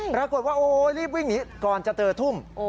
ปรากฏว่าโอ้รีบวิ่งหนีก่อนจะเจอทุ่ม